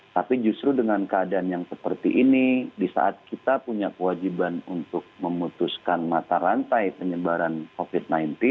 tapi justru dengan keadaan yang seperti ini di saat kita punya kewajiban untuk memutuskan mata rantai penyebaran covid sembilan belas